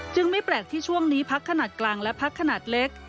ไม่แปลกที่ช่วงนี้พักขนาดกลางและพักขนาดเล็ก